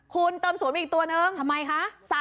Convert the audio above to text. คุณเติมสวมอีกตัวนึงทำไมคะ